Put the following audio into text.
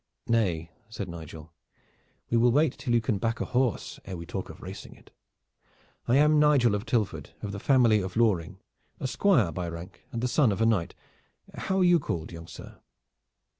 "Nay," said Nigel, "we will wait till you can back a horse ere we talk of racing it. I am Nigel of Tilford, of the family of Loring, a squire by rank and the son of a knight. How are you called, young sir?"